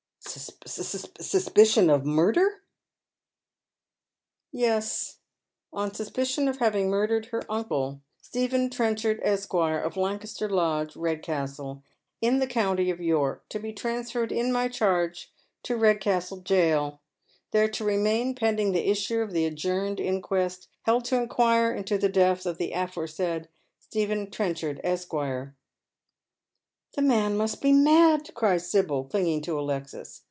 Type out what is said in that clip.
" Suspicion of murder !"" Yes, on suspicion of having murdered her uncle, Stephen Trenchard, Esq., of Lancaster Lodge, Eedcastle, in the county of York, to be transferred in my charge to Eedcastle gaol, there to remain pending the issue of the adjourned inquest held to inquire into the death of the aforesaid Stephen Trenchard, Esq." " The man must be mad," cries Sibyl, clinging to Alexis.